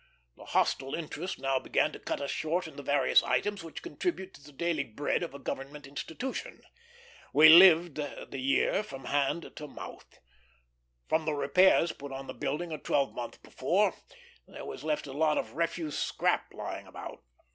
The hostile interest now began to cut us short in the various items which contribute to the daily bread of a government institution. We lived the year from hand to mouth. From the repairs put on the building a twelvemonth before there was left a lot of refuse scrap lying about.